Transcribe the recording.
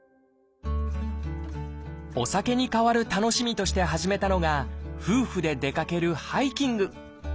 お酒に代わる楽しみとして始めたのが夫婦で出かけるハイキング。